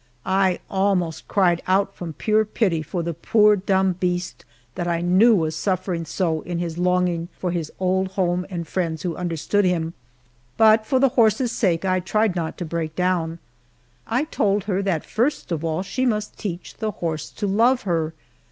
I almost cried out from pure pity for the poor dumb beast that I knew was suffering so in his longing for his old home and friends who understood him. But for the horse's sake I tried not to break down. I told her that first of all she must teach the horse to love her.